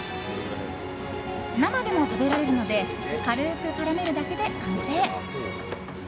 生でも食べられるので軽く絡めるだけで完成。